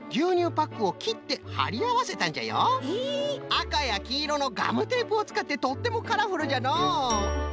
あかやきいろのガムテープをつかってとってもカラフルじゃのう。